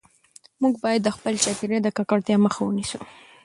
موږ باید د خپل چاپیریال د ککړتیا مخه ونیسو.